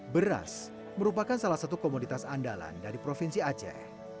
beras merupakan salah satu komoditas andalan dari provinsi aceh